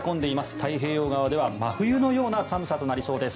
太平洋側では真冬のような寒さとなりそうです。